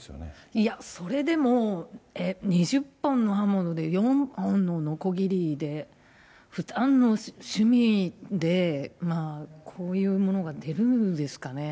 いや、それでも、え、２０本の刃物で４本ののこぎりで、ふだんの趣味で、こういうものが出るんですかね。